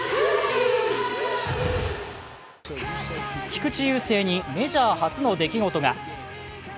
菊池雄星にメジャー初の出来事が。